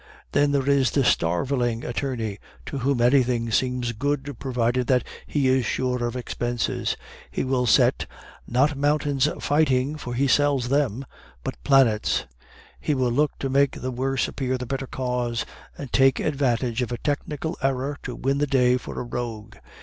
Then there is the starveling attorney, to whom anything seems good provided that he is sure of expenses; he will set, not mountains fighting, for he sells them, but planets; he will work to make the worse appear the better cause, and take advantage of a technical error to win the day for a rogue.